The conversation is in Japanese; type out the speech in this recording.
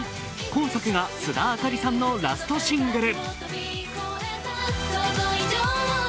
今作が須田亜香里さんのラストシングル。